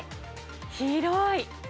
広い。